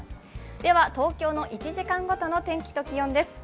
東京の１時間ごとの天気と気温です。